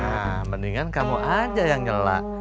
nah mendingan kamu aja yang ngelak